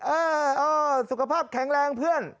เออสุขภาพแข็งแรงเพื่อน